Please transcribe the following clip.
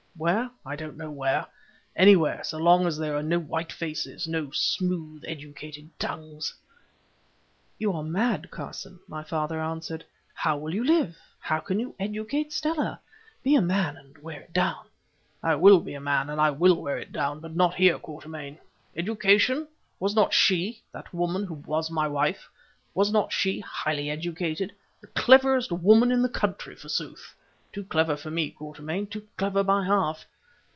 Where? I don't know where. Anywhere, so long as there are no white faces, no smooth educated tongues——" "You are mad, Carson," my father answered. "How will you live? How can you educate Stella? Be a man and wear it down." "I will be a man, and I will wear it down, but not here, Quatermain. Education! Was not she—that woman who was my wife—was not she highly educated?—the cleverest woman in the country forsooth. Too clever for me, Quatermain—too clever by half!